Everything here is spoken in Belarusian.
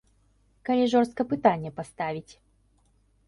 Калі жорстка пытанне паставіць.